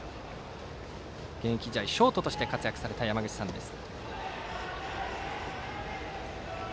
現役時代ショートとして活躍された山口さんです。